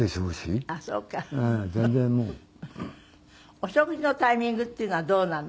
お食事のタイミングっていうのはどうなの？